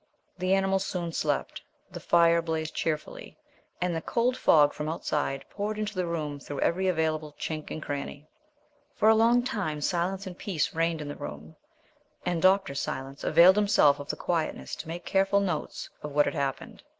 The animals soon slept; the fire blazed cheerfully; and the cold fog from outside poured into the room through every available chink and crannie. For a long time silence and peace reigned in the room and Dr. Silence availed himself of the quietness to make careful notes of what had happened.